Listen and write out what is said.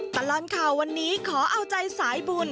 ตลอดข่าววันนี้ขอเอาใจสายบุญ